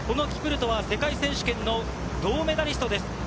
キプルトは世界選手権の銅メダリストです。